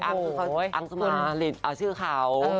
อังคือเขาอังสมาริดเอาชื่อเขา